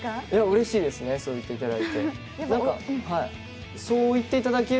うれしいですね、そう言っていただいて。